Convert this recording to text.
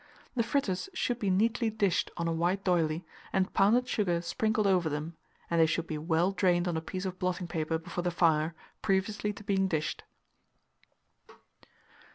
The fritters should be neatly dished on a white d'oyley, and pounded sugar sprinkled over them; and they should be well drained on a piece of blotting paper before the fire previously to being dished.